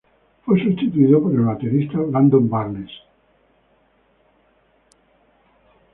Fue sustituido por el batería Brandon Barnes.